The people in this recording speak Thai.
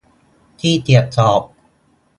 ขี้เกียจสอบ